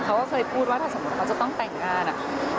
เขาก็เคยพูดว่าถ้าสมมุติเขาจะต้องแต่งงาน